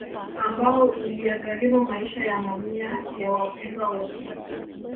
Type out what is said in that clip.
Ambao uliyagharimu maisha ya mamia ya Wapendwa Wetu